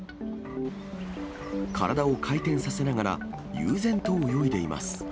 体を回転させながら、悠然と泳いでいます。